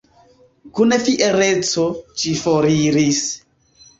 Kun fiereco, ĝi foriris.